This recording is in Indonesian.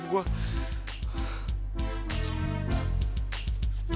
terus gimana nih